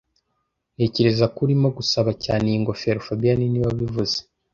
Ntekereza ko urimo gusaba cyane iyi ngofero fabien niwe wabivuze